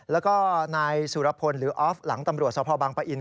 แล้วก็นายสุรพลหรือออฟหลังตำรวจสพบังปะอิน